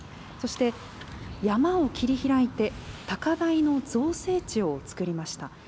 そして、山を切り開いて、高台の造成地を作りました。